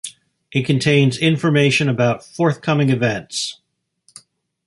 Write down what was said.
It contains information about forthcoming events.